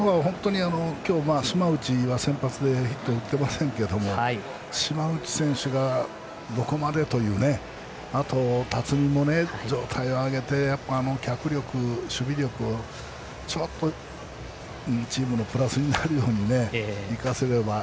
あとは今日、島内は先発でヒットを打っていませんが島内選手がどこまでというあと、辰己も状態を上げて脚力、守備力をチームのプラスになるように生かせれば。